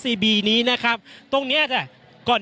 อย่างที่บอกไปว่าเรายังยึดในเรื่องของข้อ